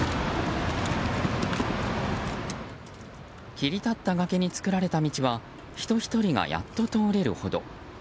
切り立った崖に作られた道は人１人がやっと通れるほど。